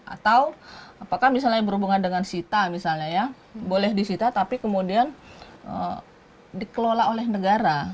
atau apakah misalnya berhubungan dengan sita boleh di sita tapi kemudian dikelola oleh negara